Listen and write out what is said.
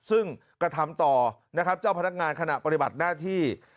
ซึ่งกระทำต่อนะครับเจ้าพนักงานขณะปฏิบัติหน้าที่